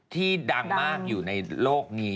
ดังมากอยู่ในโลกนี้